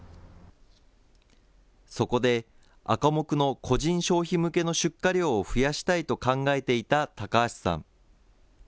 そこで、アカモクの個人消費向けの出荷量を増やしたいと考えていた高橋さん。